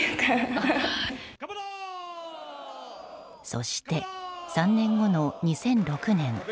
そして、３年後の２００６年。